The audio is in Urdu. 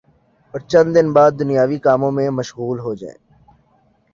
اور چند دن بعد دنیاوی کاموں میں مشغول ہو جائیں